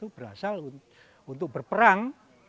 berasal untuk berperang